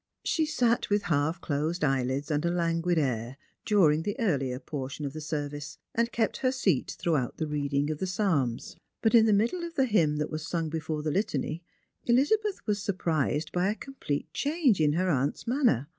She sat with half closed eyelids and a languid air during the earlier portion of the service, and kept her seat throughout the reading of the psalms; but in the middle of the hymn that was sung before the litany, Elizabeth was surprised by a complete change in her aunt's manner.